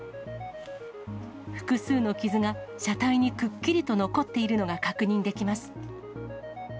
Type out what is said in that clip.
複数の傷が車体にくっきりと残っているのが確認できます。